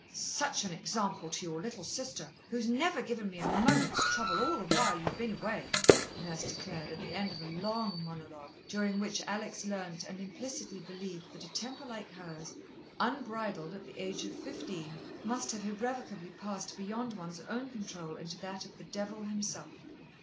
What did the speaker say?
"Such an example to your little sister, who's never given me a moment's trouble all the while you've been away," Nurse declared, at the end of a long monologue during which Alex learnt and implicitly believed that a temper like hers, unbridled at the age of fifteen, must have irrevocably passed beyond one's own control into that of the Devil himself.